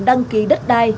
đăng ký đất đai